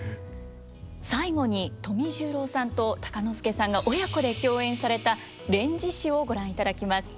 最後に富十郎さんと鷹之資さんが親子で共演された「連獅子」をご覧いただきます。